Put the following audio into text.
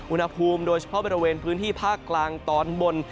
อุณหภูมิโดยเฉพาะบริเวณพื้นที่ภาคกลางตอนบน